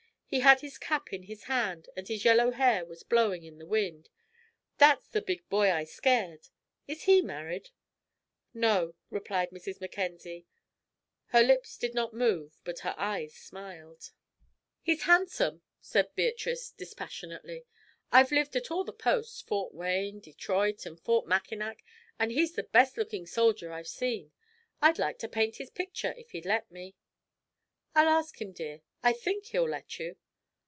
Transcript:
He had his cap in his hand, and his yellow hair was blowing in the wind. "That's the big boy I scared. Is he married?" "No," replied Mrs. Mackenzie. Her lips did not move, but her eyes smiled. "He's handsome," said Beatrice, dispassionately. "I've lived at all the posts Fort Wayne, Detroit, and Fort Mackinac, and he's the best looking soldier I've seen. I'd like to paint his picture, if he'd let me." "I'll ask him, dear; I think he'll let you."